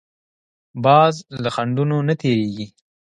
باز له خنډونو نه تېرېږي